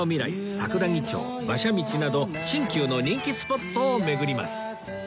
桜木町馬車道など新旧の人気スポットを巡ります